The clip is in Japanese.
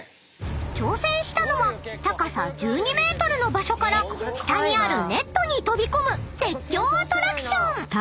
［挑戦したのは高さ１２ｍの場所から下にあるネットに飛び込む絶叫アトラクション］